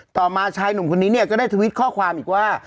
ต่อมาชายหนุ่มคนนี้เนี่ยก็ได้ทวิตข้อความอีกว่า